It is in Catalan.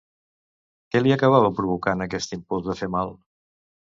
Què li acaba provocant aquest impuls de fer mal?